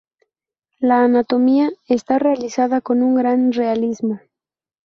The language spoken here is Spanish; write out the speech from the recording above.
La anatomía está realizada con un gran realismo.